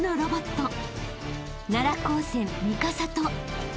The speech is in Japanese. ［奈良高専三笠と］